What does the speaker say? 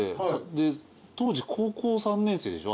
で当時高校３年生でしょあれ。